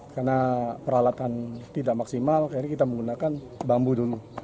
karena peralatan tidak maksimal akhirnya kita menggunakan bambu dulu